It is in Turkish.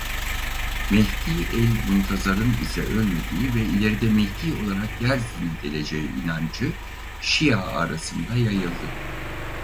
Mehdî el-Muntazar'ın ise ölmediği ve ileride mehdi olarak yeryüzüne geleceği inancı Şia arasında yayıldı.